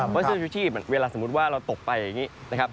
เพราะว่าเสื้อชีวิตเวลาสมมุติว่าเราตกไปอย่างงี้